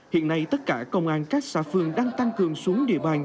hiện nay tất cả công an các xã phường đang tăng cường xuống địa bàn